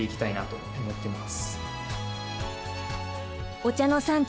お茶の産地